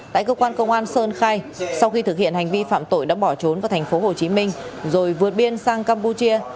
tại cơ quan công an sơn khai sau khi thực hiện hành vi phạm tội đã bỏ trốn vào thành phố hồ chí minh rồi vượt biên sang campuchia